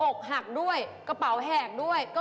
อกหักด้วยกระเป๋าแหกด้วย